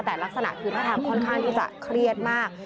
แต่ลักษณะคือท่าทางค่อนข้างที่จะเครียดมาก